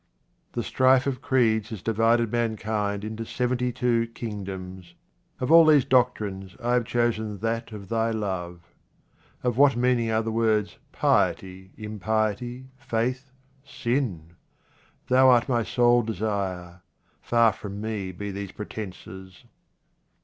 The strife of creeds has divided mankind into seventy two kingdoms. Of all these doctrines I have chosen that of thy love. Of what mean ing are the words Piety, Impiety, Faith, Sin? Thou art my sole desire. Far from me be these pretences.